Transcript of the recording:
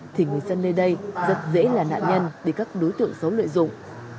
thì người dân nơi đây rất dễ là nạn nhân để các đối tượng xấu lợi dụng